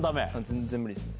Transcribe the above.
全然無理っすね。